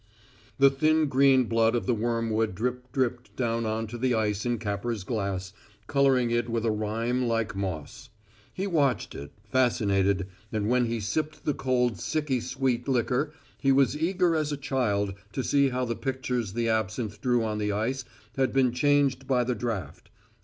The thin green blood of the wormwood drip dripped down on to the ice in Capper's glass, coloring it with a rime like moss. He watched it, fascinated, and when he sipped the cold sicky sweet liquor he was eager as a child to see how the pictures the absinth drew on the ice had been changed by the draft.